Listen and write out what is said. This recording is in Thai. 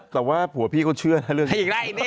แต่ว่าผัวพี่เขาเชื่อนะเรื่องนี้